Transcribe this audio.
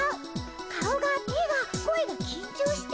顔が手が声がきんちょうしてる。